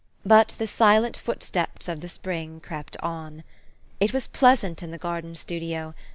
But the silent footsteps of the spring crept on. It was pleasant in the garden studio.